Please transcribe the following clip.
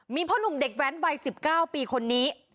มีพ่อหนุ่มเด็กแว้นวัย๑๙ปีคนนี้